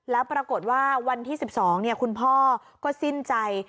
แล้วปรากฏว่าวันที่๑๒คุณพ่อก็สิ้นใจ